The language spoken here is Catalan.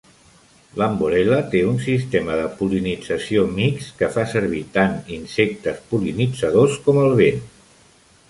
L'"Amborella" té un sistema de pol·linització mixt que fa servir tant insectes pol·linitzadors com el vent.